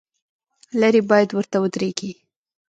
لرې باید ورته ودرېږې.